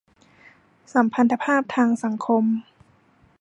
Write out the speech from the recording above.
สัมพันธภาพทางสังคม